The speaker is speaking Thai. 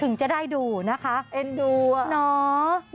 ถึงจะได้ดูนะคะเอ็นดูอ่ะเนาะ